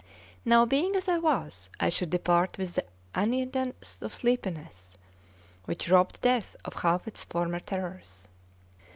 Now, being as I was, I should depart with the anodyne of sleepiness, which robbed death of half its former terrors.